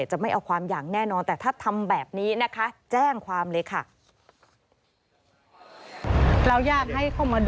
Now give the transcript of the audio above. จะไม่เอาความอย่างแน่นอนแต่ถ้าทำแบบนี้นะคะแจ้งความเลยค่ะ